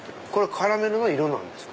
カラメルの色なんですか？